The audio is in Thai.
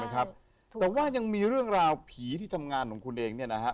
แต่ว่ายังมีเรื่องราวผีที่ทำงานของคุณเองเนี่ยนะฮะ